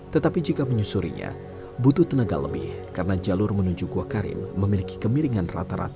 tetapi jika menyusurinya butuh tenaga lebih karena jalur menuju gua karim memiliki kemiringan rata rata